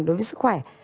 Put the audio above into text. đối với sức khỏe